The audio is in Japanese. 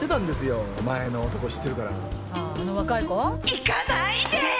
行かないでー！